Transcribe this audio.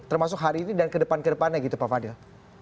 termasuk hari ini dan kedepan kedepannya gitu pak fadil